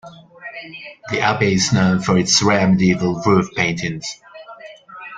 The Abbey is known for its rare medieval roof paintings.